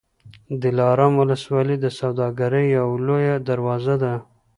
د دلارام ولسوالي د سوداګرۍ یوه لویه دروازه ده.